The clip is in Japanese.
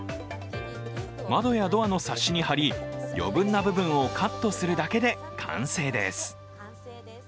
窓やドアのサッシに貼り余分な部分をカットするだけで完成です。